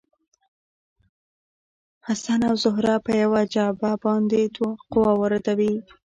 حسن او زهره په یوه جعبه باندې قوه واردوي.